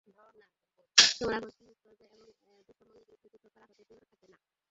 তোমরা পশ্চাদপসরণ করবে না এবং দুশমনের বিরুদ্ধে যুদ্ধ করা হতে বিরত থাকবে না।